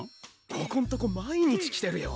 ここんとこ毎日来てるよ